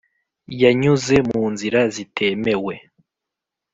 Yanyuze mu nzira zitemewe